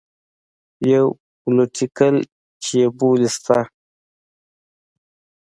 يو پوليټيکل چې يې بولي سته.